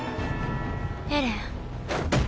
エレン。